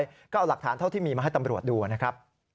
แล้วก็เอาหลักฐานเท่าที่มีมาให้ตำรวจดูนะครับ